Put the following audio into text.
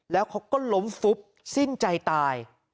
แล้วเขาก็ล้มฟุบสิ้นใจตาย